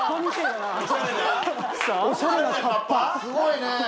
すごいね。